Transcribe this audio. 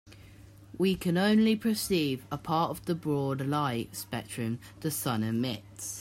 We can only perceive a part of the broad light spectrum the sun emits.